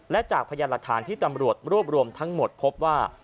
และจากพยานหลักฐานที่ตำรวจรวบรวมทั้งหมดพบว่า